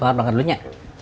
eh lebar banget dulunya